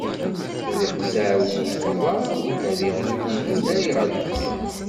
Ad iqqes aɛawdiw seg uḍar, ad iɣli umnay ɣer deffir.